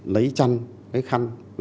lấy chăn lấy khăn